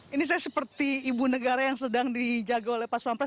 ini saya seperti ibu negara yang sedang dijaga oleh pas pampres